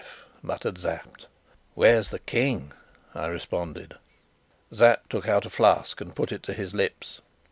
muttered Sapt. "Where's the King?" I responded. Sapt took out a flask and put it to his lips.